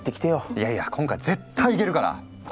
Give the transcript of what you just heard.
いやいや今回は絶対いけるから！